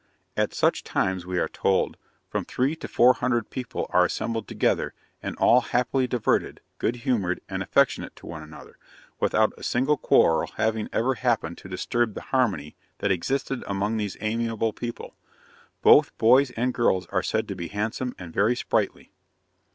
At such times, we are told, from three to four hundred people are assembled together, and all happily diverted, good humoured, and affectionate to one another, without a single quarrel having ever happened to disturb the harmony that existed among these amiable people. Both boys and girls are said to be handsome and very sprightly.